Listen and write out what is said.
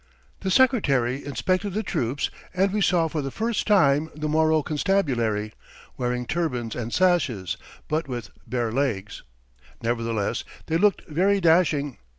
The Secretary inspected the troops, and we saw for the first time the Moro constabulary, wearing turbans and sashes, but with bare legs; nevertheless, they looked very dashing.